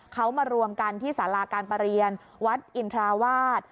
เขามารวมกันที่สาราการประเรียนวัดอินทราวาส